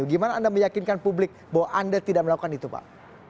gimana anda meyakinkan publik bahwa anda tidak melakukan itu pak